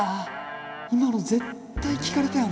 今の絶対聞かれたよな。